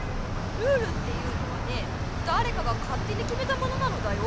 ルールっていうのはねだれかがかってにきめたものなのだよ。